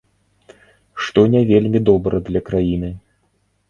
Што не вельмі добра для краіны.